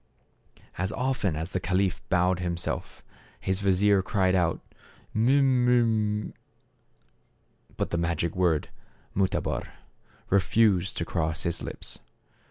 As often as the caliph bowed himself his vizier cried out " Mu mu "— But the magic word " Mutabor " refused to cross his lips.